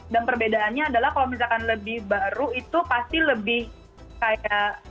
dan perbedaannya adalah kalau misalkan lebih baru itu pasti lebih kayak